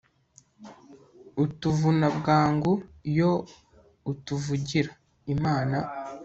utuvuna bwangu iyo utuvugira, imana